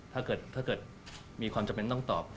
ถ้าเกิดมีความจำเป็นต้องตอบ